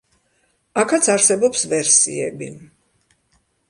აქაც არსებობს ვერსიები.